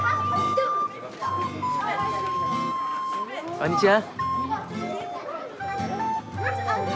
こんにちは。